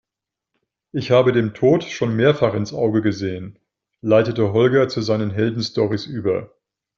Ich habe dem Tod schon mehrfach ins Auge gesehen, leitete Holger zu seinen Heldenstorys über.